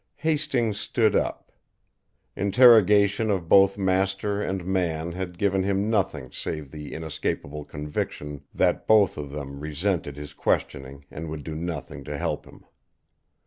Hastings stood up. Interrogation of both master and man had given him nothing save the inescapable conviction that both of them resented his questioning and would do nothing to help him.